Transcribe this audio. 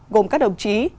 gồm các đồng chí